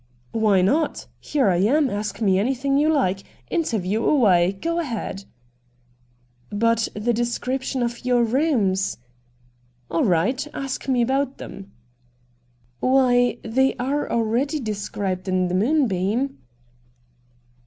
' Why not ? Here I am, ask me anything you Hke — interview away — go ahead.' ' But the description of your rooms ?'' All right, ask me all about them.' ' Why, they are already described in the " Moonbeam."